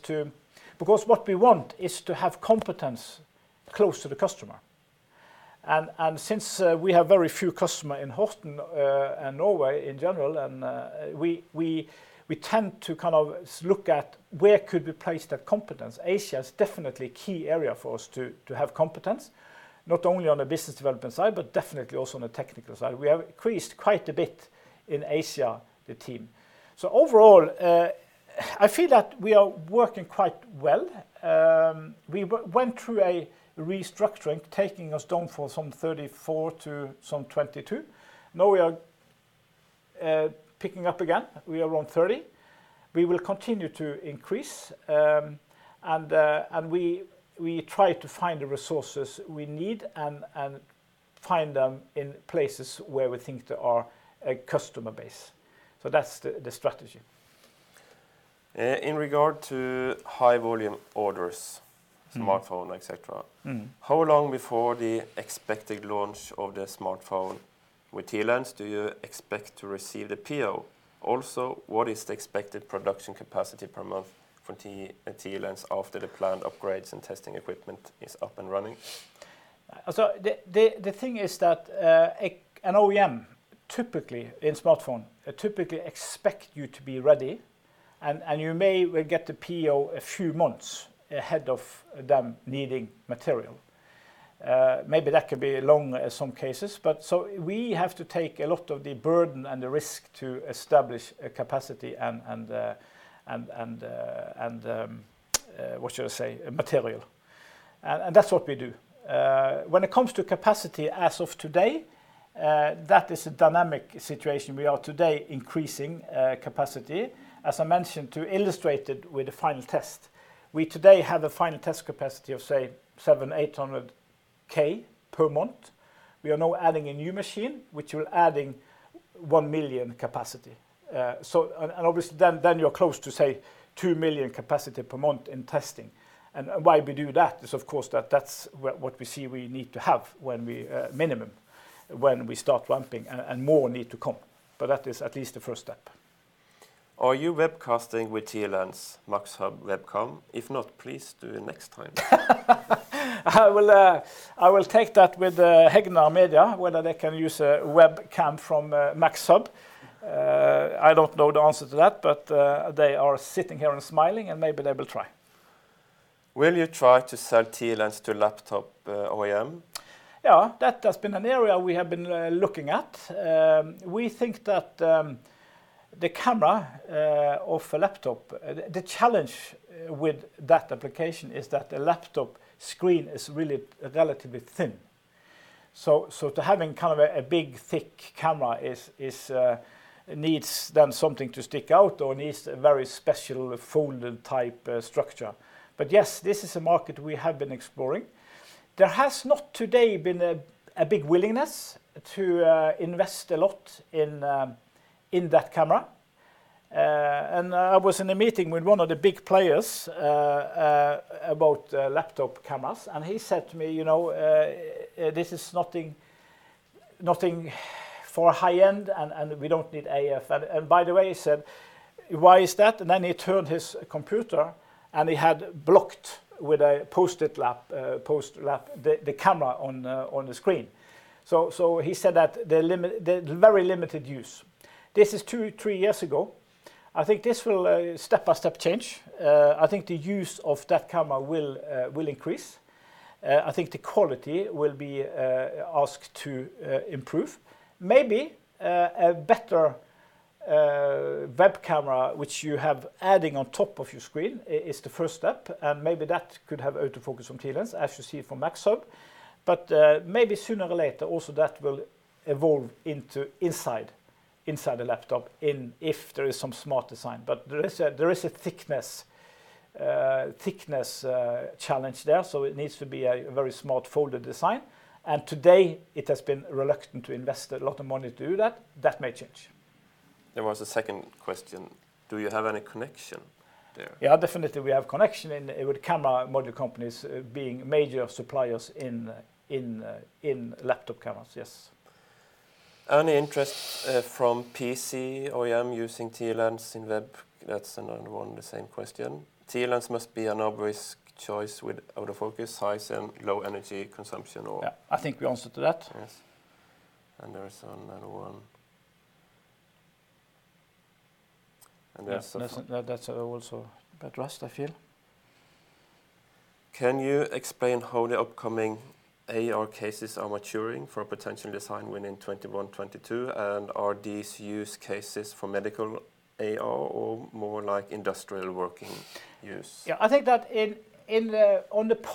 because what we want is to have competence close to the customer, and since we have very few customer in Horten, and Norway in general, we tend to look at where could we place that competence. Asia is definitely key area for us to have competence, not only on the business development side, but definitely also on the technical side. We have increased quite a bit in Asia, the team. Overall, I feel that we are working quite well. We went through a restructuring, taking us down from some 34 to some 22. Now we are picking up again. We are around 30. We will continue to increase, and we try to find the resources we need and find them in places where we think there are a customer base. That's the strategy. In regard to high volume orders. Smartphone, etc. How long before the expected launch of the smartphone with TLens do you expect to receive the PO? Also, what is the expected production capacity per month for TLens after the planned upgrades and testing equipment is up and running? The thing is that an OEM, in smartphone, typically expect you to be ready, and you may get the PO a few months ahead of them needing material. Maybe that could be long in some cases, but we have to take a lot of the burden and the risk to establish a capacity and material. That's what we do. When it comes to capacity as of today, that is a dynamic situation. We are today increasing capacity. As I mentioned, to illustrate it with the final test, we today have a final test capacity of, say, 700,000-800,000 per month. We are now adding a new machine, which will adding one million capacity. Obviously then you're close to, say, two million capacity per month in testing. Why we do that is, of course, that's what we see we need to have minimum when we start ramping and more need to come. That is at least the first step. Are you webcasting with TLens MAXHUB webcam? If not, please do it next time. I will take that with Hegnar Media, whether they can use a webcam from MAXHUB. I don't know the answer to that. They are sitting here and smiling, and maybe they will try. Will you try to sell TLens to laptop OEM? Yeah, that has been an area we have been looking at. We think that the camera of a laptop, the challenge with that application is that a laptop screen is really relatively thin. To having a big thick camera needs then something to stick out or needs a very special folded type structure. Yes, this is a market we have been exploring. There has not today been a big willingness to invest a lot in that camera. I was in a meeting with one of the big players about laptop cameras, and he said to me, "This is nothing for high-end, and we don't need AF." By the way, he said, "Why is that?" Then he turned his computer, and he had blocked with a Post-it note the camera on the screen. He said that they're very limited use. This is two, three years ago. I think this will step-by-step change. I think the use of that camera will increase. I think the quality will be asked to improve. Maybe a better a web camera which you have adding on top of your screen is the first step, and maybe that could have auto focus on TLens, as you see it from MAXHUB. Maybe sooner or later also that will evolve inside the laptop if there is some smart design. There is a thickness challenge there, so it needs to be a very smart folded design. Today it has been reluctant to invest a lot of money to do that. That may change. There was a second question. Do you have any connection there? Yeah, definitely, we have connection with camera module companies being major suppliers in laptop cameras, yes. Any interest from PC OEM using TLens in web? That's another one, the same question. TLens must be an obvious choice with autofocus, high zoom, low energy consumption. Yeah, I think we answered to that. Yes. There is another one. That's the last. That's also the last, I feel. Can you explain how the upcoming AR cases are maturing for potential design win in 2021, 2022, and are these use cases for medical AR or more like industrial working use? Yeah, I think that on the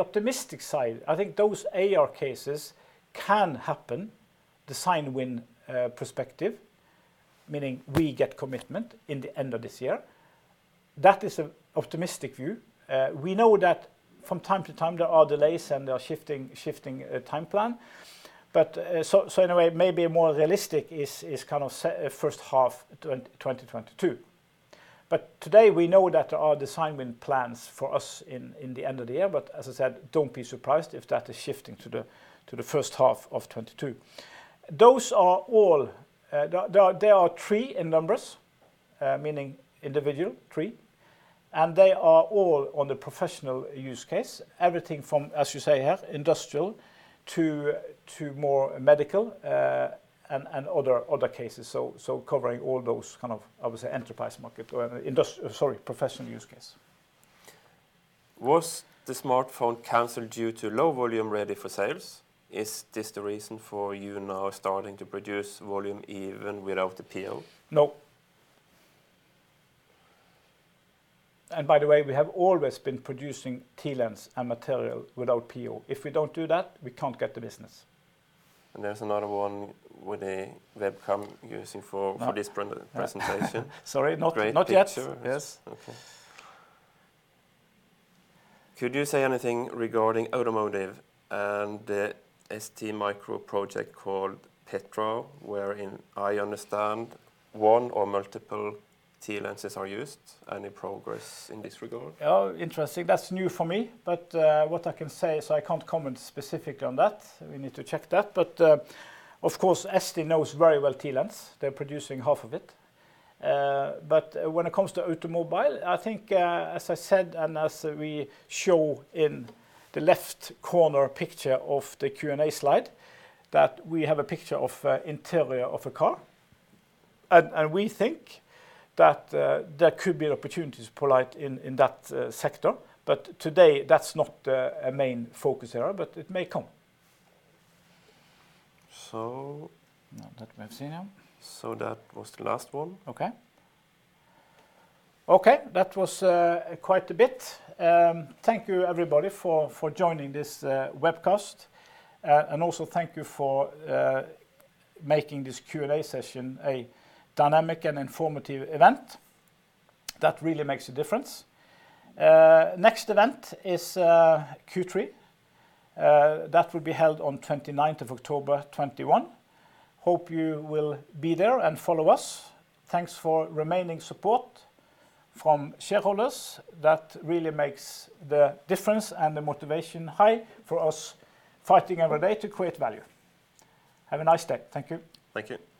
optimistic side, I think those AR cases can happen, design win perspective, meaning we get commitment in the end of this year. That is an optimistic view. We know that from time to time there are delays and there are shifting time plan. In a way maybe more realistic is kind of first half 2022. Today we know that there are design win plans for us in the end of the year. As I said, don't be surprised if that is shifting to the first half of 2022. They are three in numbers, meaning individual three, and they are all on the professional use case. Everything from, as you say here, industrial to more medical, and other cases. Covering all those kind of, I would say, enterprise market or sorry, professional use case. Was the smartphone canceled due to low volume ready for sales? Is this the reason for you now starting to produce volume even without the PO? No. By the way, we have always been producing TLens and material without PO. If we don't do that, we can't get the business. There's another one with a webcam using for this presentation. No. Sorry, not yet. Great picture. Yes. Okay. Could you say anything regarding automotive and the ST Micro project called Petro, wherein I understand one or multiple TLens are used? Any progress in this regard? Oh, interesting. That's new for me. What I can say is I can't comment specifically on that. We need to check that. Of course, ST knows very well TLens. They're producing half of it. When it comes to automobile, I think, as I said, and as we show in the left corner picture of the Q&A slide, that we have a picture of interior of a car. We think that there could be opportunities for poLight in that sector. Today that's not a main focus area, but it may come. So... Now that we've seen them. That was the last one. Okay. Okay, that was quite a bit. Thank you everybody for joining this webcast. Also thank you for making this Q&A session a dynamic and informative event. That really makes a difference. Next event is Q3. That will be held on 29th of October 2021. Hope you will be there and follow us. Thanks for remaining support from shareholders. That really makes the difference and the motivation high for us fighting every day to create value. Have a nice day. Thank you. Thank you.